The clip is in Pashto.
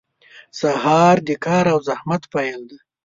• سهار د کار او زحمت پیل دی.